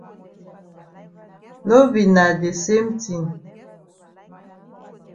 No be na de same tin.